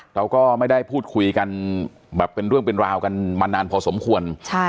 เราก็ไม่ได้พูดคุยกันแบบเป็นเรื่องเป็นราวกันมานานพอสมควร